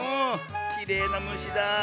きれいなむしだあ。